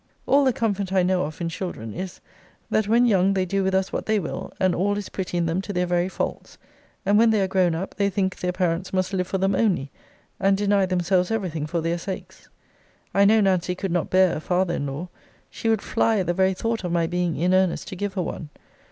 All the comfort I know of in children, is, that when young they do with us what they will, and all is pretty in them to their very faults; and when they are grown up, they think their parents must live for them only; and deny themselves every thing for their sakes. I know Nancy could not bear a father in law. She would fly at the very thought of my being in earnest to give her one.